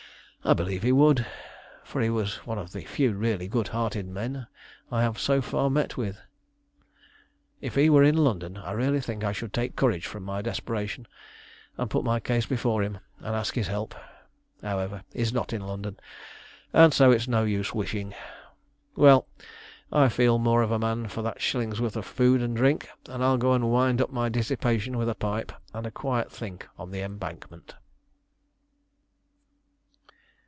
I believe he would, for he was one of the few really good hearted men I have so far met with. "If he were in London I really think I should take courage from my desperation, and put my case before him and ask his help. However, he's not in London, and so it's no use wishing. Well, I feel more of a man for that shillingsworth of food and drink, and I'll go and wind up my dissipation with a pipe and a quiet think on the Embankment."